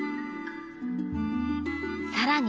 さらに